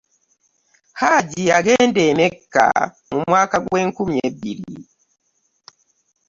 Hajji yagenda e Mecca mu mwaka gwe nkumi bbiri.